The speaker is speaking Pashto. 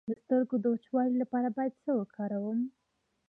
د سترګو د وچوالي لپاره باید څه وکاروم؟